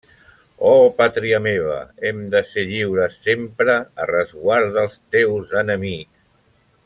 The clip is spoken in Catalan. Oh pàtria meva, hem de ser lliures sempre, a resguard dels teus enemics!